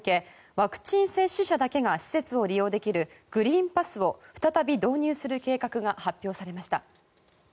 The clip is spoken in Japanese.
ワクチン接種者だけが施設を利用できるグリーンパスを再び導入する計画が発表されました。